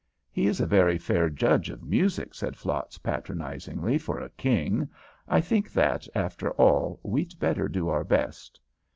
"He is a very fair judge of music," said Flatz, patronizingly, "for a King. I think that, after all, we'd better do our best."